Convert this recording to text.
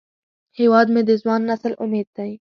هیواد مې د ځوان نسل امید دی